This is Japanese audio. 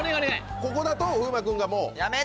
ここだと風磨君がもう。やめて！